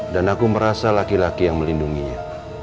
dan aku merasa laki laki yang melindunginya